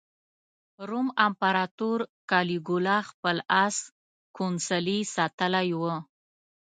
روم امپراطور کالیګولا خپل اس کونسلي ټاکلی و.